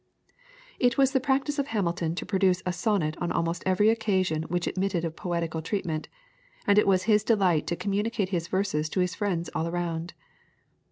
It was the practice of Hamilton to produce a sonnet on almost every occasion which admitted of poetical treatment, and it was his delight to communicate his verses to his friends all round.